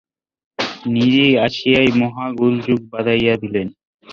নিধি আসিয়াই মহা গোলযোগ বাধাইয়া দিলেন।